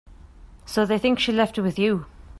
So they think she left it with you.